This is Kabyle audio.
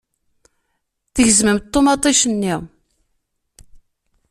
Tgezmemt ṭumaṭic-nni.